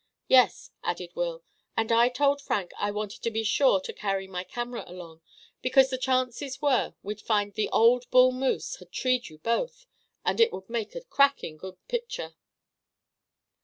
"Yes," added Will, "and I told Frank I wanted to be sure to carry my camera along, because the chances were we'd find that the old bull moose had treed you both, and it would make a cracking good picture!"